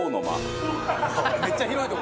めっちゃ広いとこ。